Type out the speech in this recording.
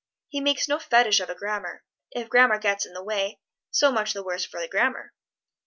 He makes no fetish of a grammar if grammar gets in the way, so much the worse for the grammar.